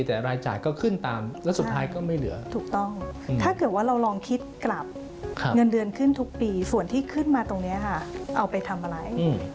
ส่วนที่ขึ้นมาตรงนี้เอาไปทำอะไร